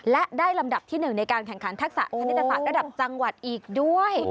และได้ลำดับที่๑ในการแข่งขันทักษะคณิตศาสตร์ระดับจังหวัดอีกด้วย